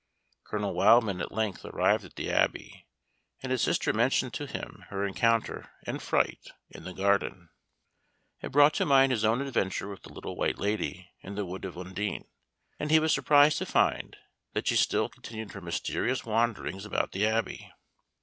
Colonel Wildman at length arrived at the Abbey, and his sister mentioned to him her encounter and fright in the garden. It brought to mind his own adventure with the Little White Lady in the wood of Undine, and he was surprised to find that she still continued her mysterious wanderings about the Abbey.